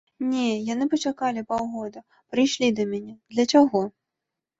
Не, яны пачакалі паўгода, прыйшлі да мяне, для чаго?